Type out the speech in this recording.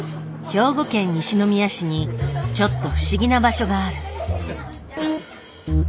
兵庫県西宮市にちょっと不思議な場所がある。